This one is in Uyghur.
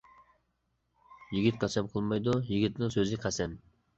يىگىت قەسەم قىلمايدۇ، يىگىتنىڭ سۆزى قەسەم.